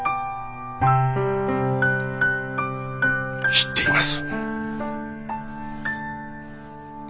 知っています。